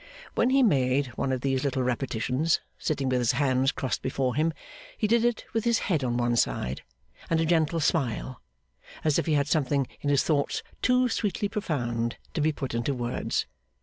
When he made one of these little repetitions, sitting with his hands crossed before him, he did it with his head on one side, and a gentle smile, as if he had something in his thoughts too sweetly profound to be put into words.